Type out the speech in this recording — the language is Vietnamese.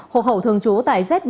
hục hậu thường trú tại z bảy